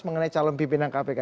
mengenai calon pimpinan kpk